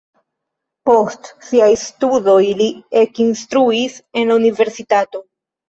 Post siaj studoj li ekinstruis en la universitato.